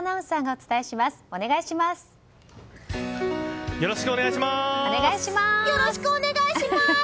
お願いします。